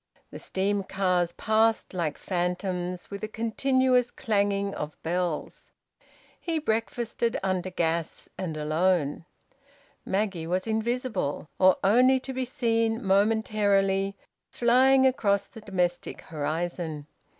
The steam cars passed like phantoms, with a continuous clanging of bells. He breakfasted under gas and alone. Maggie was invisible, or only to be seen momentarily, flying across the domestic horizon.